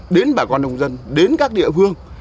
đến bà con nông dân đến các địa phương